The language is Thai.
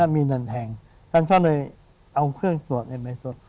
มีรายแพงฉันก็เลยเอาเครื่องตรวจเลยไปตรวจ